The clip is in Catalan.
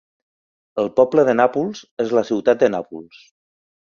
El poble de Nàpols és la ciutat de Nàpols.